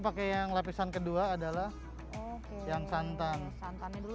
pakai yang dareng lapisan kedua adalah yang santan santan yangantanbelu